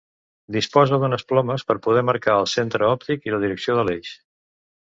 Disposa d'unes plomes per poder marcar el centre òptic i la direcció de l'eix.